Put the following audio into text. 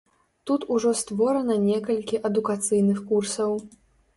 Тут ужо створана некалькі адукацыйных курсаў.